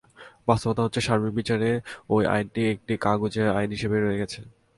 বাস্তবতা হচ্ছে সার্বিক বিচারে ওই আইনটি একটি কাগুজে আইন হিসেবেই রয়ে গেছে।